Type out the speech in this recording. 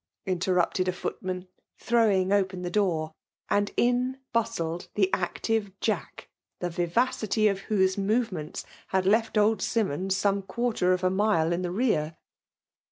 interrupted a footman, throwing open the door; and in bustled the active Jack, the vivacity of whose movements had left old Simmons some quarter of a inUe in the rear.